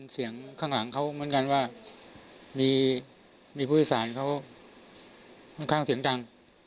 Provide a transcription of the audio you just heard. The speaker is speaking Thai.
เสียงข้างหลังเขาเหมือนกันว่ามีผู้โดยสารเขาค่อนข้างเสียงดัง